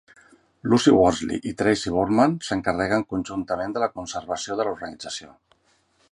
Lucy Worsley i Tracy Borman s'encarreguen conjuntament de la conservació de l'organització.